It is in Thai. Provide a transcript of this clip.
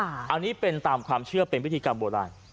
อันนี้เป็นตามความเชื่อเป็นพิธีกรรมโบราณ